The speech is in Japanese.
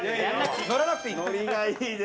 乗らなくていい。